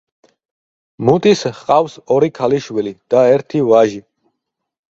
მუტის ჰყავს ორი ქალიშვილი და ერთი ვაჟი.